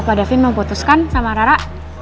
opa davin mau putuskan sama rara